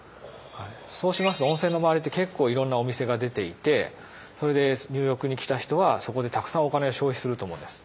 そうしますと温泉の周りって結構いろんなお店が出ていてそれで入浴に来た人はそこでたくさんお金を消費すると思うんです。